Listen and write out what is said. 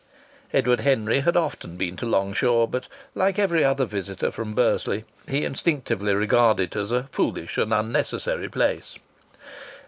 Edward Henry had often been to Longshaw, but, like every visitor from Bursley, he instinctively regarded it as a foolish and unnecessary place.